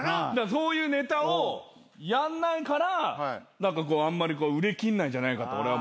そういうネタをやんないから何かこうあんまり売れきんないんじゃないかと俺は。